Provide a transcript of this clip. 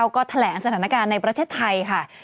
ก็แถลงสถานการณ์ในประเทศไทยค่ะ